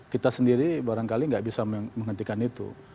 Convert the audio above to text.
kita sendiri barangkali nggak bisa menghentikan itu